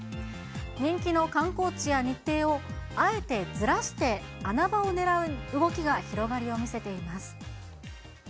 人気の観光地や日程を、あえてずらして、穴場をねらう動きが広がりを見せています。